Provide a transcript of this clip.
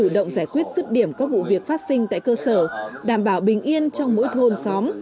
động giải quyết rứt điểm các vụ việc phát sinh tại cơ sở đảm bảo bình yên trong mỗi thôn xóm